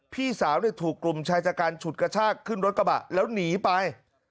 พี่สาวถูกกลุ่มชายจัดการฉุดกระชากขึ้นรถกระบะแล้วหนีไป